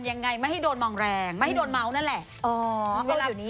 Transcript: ยังไงไม่ให้โดนมองแรงไม่ให้โดนเมาส์นั่นแหละ